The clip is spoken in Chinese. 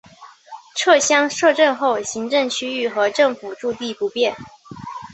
撤乡设镇后行政区域和政府驻地不变。